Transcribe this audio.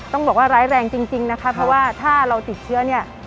ต้องบอกว่าร้ายแรงจริงนะคะเพราะว่าถ้าเราติดเชื้อเนี่ย